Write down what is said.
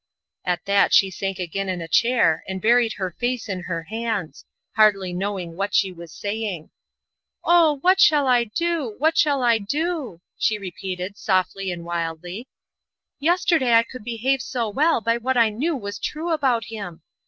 At that she sank again in a chair, and buried her face in her hands, hardly knowing what she was saying. "Oh, what shall I do? What shall I do?" she repeated, softly and wildly. "Yesterday I could behave so well by what I knew was true about him.